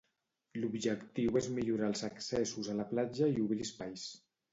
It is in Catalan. L'objectiu és millorar els accessos a la platja i obrir espais.